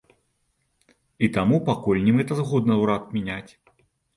І таму пакуль немэтазгодна ўрад мяняць.